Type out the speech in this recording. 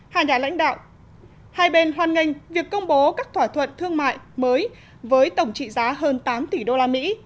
hai nhà lãnh đạo hai bên hoan nghênh việc công bố các thỏa thuận thương mại mới với tổng trị giá hơn tám tỷ đô la mỹ